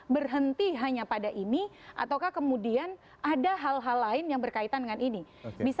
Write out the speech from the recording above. berhenti hanya pada ini ataukah kemudian ada hal hal lain yang berkaitan dengan ini bisa